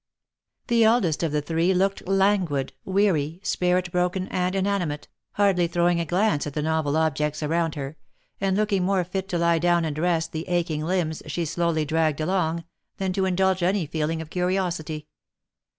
The eldest of the three looked languid, weary, spirit broken, and inanimate, hardly throwing a glance at the novel objects around her, and looking more fit to lie down and rest the aching limbs she slowly dragged along, than to indulge any feeling of curiosity.